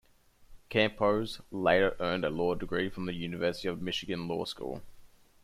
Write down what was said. Campos later earned a law degree from the University of Michigan Law School.